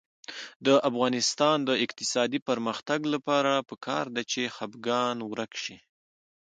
د افغانستان د اقتصادي پرمختګ لپاره پکار ده چې خپګان ورک شي.